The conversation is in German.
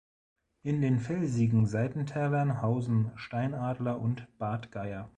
In den felsigen Seitentälern hausen Steinadler und Bartgeier.